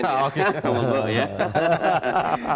kalau tidak menerima